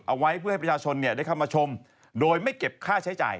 เอาไว้เพื่อให้ประชาชนได้เข้ามาชมโดยไม่เก็บค่าใช้จ่าย